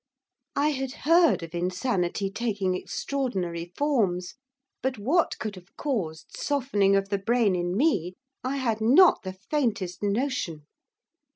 I had heard of insanity taking extraordinary forms, but what could have caused softening of the brain in me I had not the faintest notion.